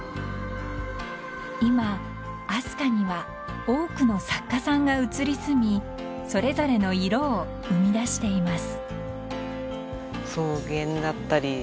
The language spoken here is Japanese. ［今明日香には多くの作家さんが移り住みそれぞれの色を生み出しています］